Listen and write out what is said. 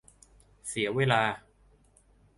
เสียเวลา